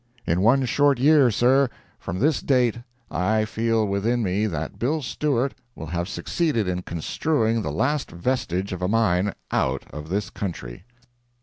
In one short year, sir, from this date, I feel within me that Bill Stewart will have succeeded in construing the last vestige of a mine out of this country.